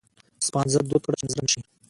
سپانځه دود کړه چې نظره نه شي.